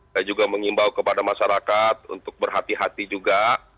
saya juga mengimbau kepada masyarakat untuk berhati hati juga